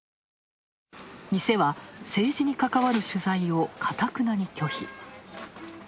店は政治に関わる取材をかたくなに拒否。